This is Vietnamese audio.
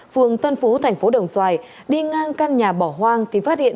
phường tân phú thành phố đồng xoài đi ngang căn nhà bỏ hoang thì phát hiện